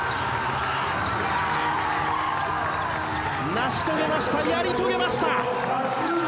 成し遂げましたやり遂げました。